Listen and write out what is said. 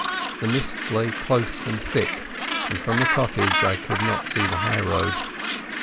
The mist lay close and thick, and from the cottage I could not see the highroad.